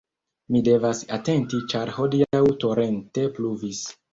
Mi devas atenti ĉar hodiaŭ torente pluvis